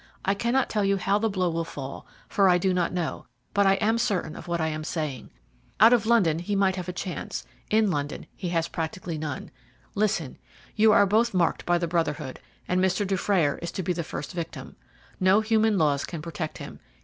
I cannot tell you how the blow will fall, for I do not know, but I am certain of what I am saying. Out of London he might have a chance; in London he has practically none. Listen. You are both marked by the Brotherhood, and Mr. Dufrayer is to be the first victim. No human laws can protect him.